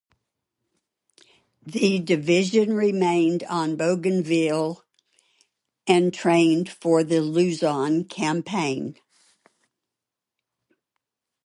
The division remained on Bougainville and trained for the Luzon campaign.